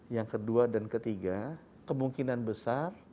yang kedua dan ketiga kemungkinan besar